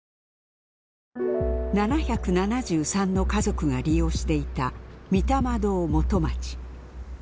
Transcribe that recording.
７７３の家族が利用していた御霊堂元町。